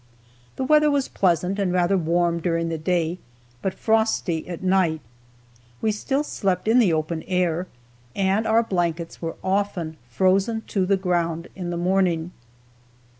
The weather was pleasant and rather warm during the day, but frosty at night. We still slept in the open air, and our blankets were often frozen to the ground in the morning.